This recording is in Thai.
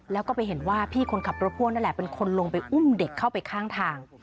แล้วก็ไปเห็นว่าพี่คนขับรถพ่วงนั่นแหละเป็นคนลงไปอุ้มเด็กเข้าไปข้างทาง